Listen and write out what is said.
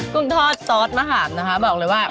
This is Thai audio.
กุ้งทอดซอสมะขามนะคะบอกเลยว่า